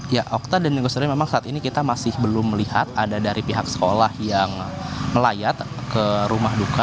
ya okta dan minggu sore memang saat ini kita masih belum melihat ada dari pihak sekolah yang melayat ke rumah duka